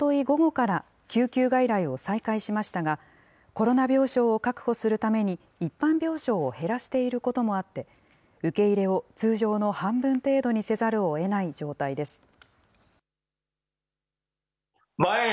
午後から、救急外来を再開しましたが、コロナ病床を確保するために、一般病床を減らしていることもあって、受け入れを通常の半分程度にせざるをえない状態です。